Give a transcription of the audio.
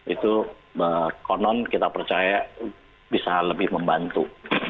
itu konon kita percaya bisa lebih membantu